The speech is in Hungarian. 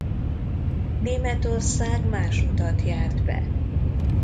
Németország más utat járt be.